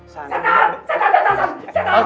satar satar satar satar